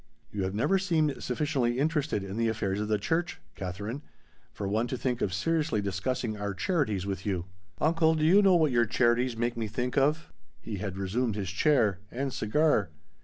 "You have never seemed sufficiently interested in the affairs of the church, Katherine, for one to think of seriously discussing our charities with you " "Uncle, do you know what your charities make me think of?" He had resumed his chair and cigar.